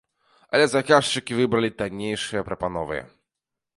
Але заказчыкі выбралі таннейшыя прапановы.